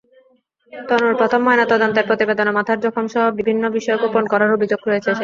তনুর প্রথম ময়নাতদন্তের প্রতিবেদনে মাথার জখমসহ বিভিন্ন বিষয় গোপন করার অভিযোগ রয়েছে।